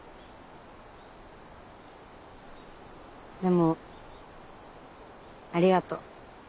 でもありがとう。